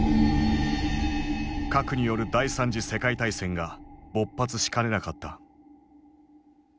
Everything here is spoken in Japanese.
核による第三次世界大戦が勃発しかねなかった。